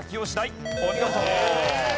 お見事。